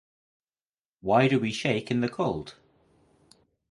Why Do We Shake in the Cold?